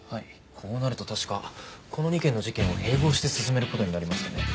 こうなると確かこの２件の事件は併合して進める事になりますよね。